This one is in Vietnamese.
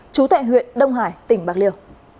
chú thệ huyện đông hải tỉnh bạc liêu